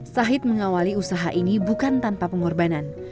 sahid mengawali usaha ini bukan tanpa pengorbanan